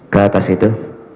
ke atas itu